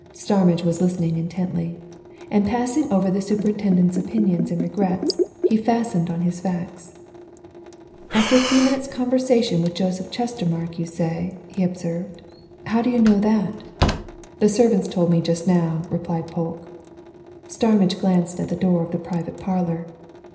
Starmidge was listening intently. And passing over the superintendent's opinions and regrets, he fastened on his facts. "After a few minutes' conversation with Joseph Chestermarke, you say?" he observed. "How do you know that?" "The servants told me, just now," replied Polke. Starmidge glanced at the door of the private parlour.